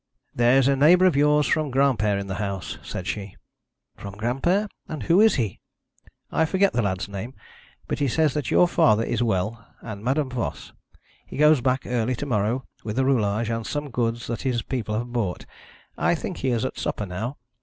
'There is a neighbour of yours from Granpere in the house,' said she. 'From Granpere? And who is he?' 'I forget the lad's name; but he says that your father is well, and Madame Voss. He goes back early to morrow with the roulage and some goods that his people have bought. I think he is at supper now.'